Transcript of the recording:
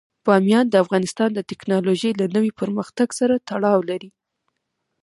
بامیان د افغانستان د تکنالوژۍ له نوي پرمختګ سره تړاو لري.